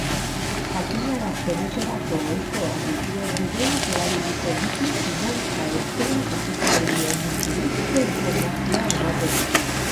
Jakinarazpenetarako ohikoak dituen bideak erabiliko ditu finantza etxeak ekitaldi honi buruzko informazioa emateko.